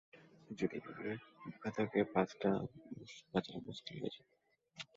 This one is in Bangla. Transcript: যদি এই ভাবে বুখা থাকে, বাঁচাটা মুশকিল হয়ে যাবে।